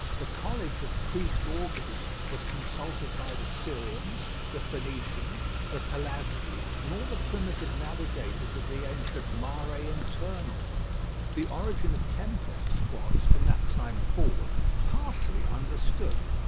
The college of Priest Augurs was consulted by the Syrians, the Phoenicians, the Pelasgi, and all the primitive navigators of the ancient Mare Internum. The origin of tempests was, from that time forward, partially understood.